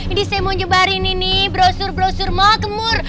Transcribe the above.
ini saya mau jembarin ini brosur brosur makmur